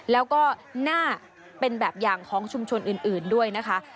แล้วก็น่าเป็นแบบอย่างของชุมชนอื่นด้วยนะคะ